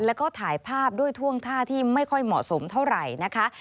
แล้วก็ถ่ายภาพด้วยท่วงท่าที่ไม่ค่อยเหมาะสมเท่าไหร่นะคะ